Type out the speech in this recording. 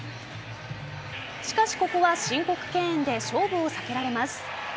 しかし、ここは申告敬遠で勝負を避けられます。